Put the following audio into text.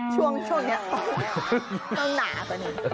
ช่วงช่วงนี้